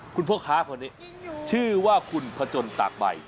คุณพ่อค้าพอดีชื่อว่าคุณพจนตากใบ